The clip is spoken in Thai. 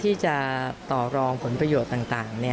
ที่จะต่อรองผลประโยชน์ต่างต่างเนี่ย